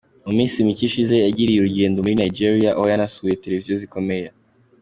Mu minsi mike ishize yagiriye urugendo muri Nigeria aho yanasuye Televiziyo zikomeye.